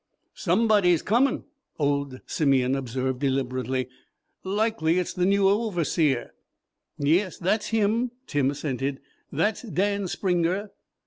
"Somebody 's comin'," old Simeon observed deliberately. "Likely it's the new Over_seer_." "Yes, that's him," Tim assented. "That's Dan Springer."